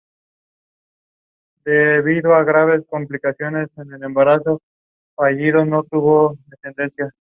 La versión completa se suele usar en compilaciones.